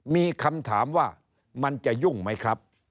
มีคำถามว่ามันจะยุ่งไหมครับ